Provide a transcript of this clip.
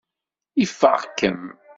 Ifeɣ-kem.